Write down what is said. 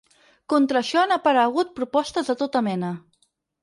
Contra això han aparegut propostes de tota mena.